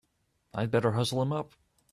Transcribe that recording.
I'd better hustle him up!